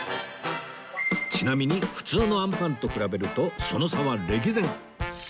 ちなみに普通のあんぱんと比べるとその差は歴然